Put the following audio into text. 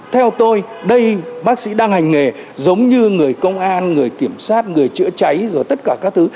theo tôi đây bác sĩ đang hành nghề giống như người công an người kiểm soát người chữa cháy rồi tất cả các thứ